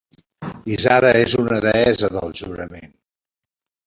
Ishara és una deessa del jurament.